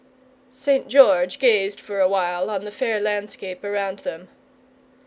St. George gazed for a while on the fair landscape around them.